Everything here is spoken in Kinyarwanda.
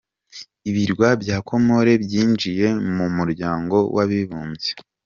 Ibirwa bya Comores byinjiye mu muryango w’abibumbye.